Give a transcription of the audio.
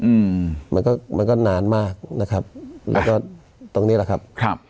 อืมมันก็นานมากนะครับแล้วก็ตรงนี้ล่ะครับครับ